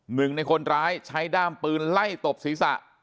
หนึ่งในคนร้ายใช้ด้ามปืนไล่ตบศีรษะ